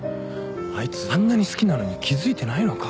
あいつあんなに好きなのに気付いてないのか。